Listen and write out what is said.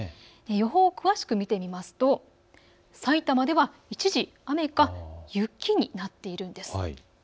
予報を詳しく見てみますと、さいたまでは一時、雨か雪になっているんです。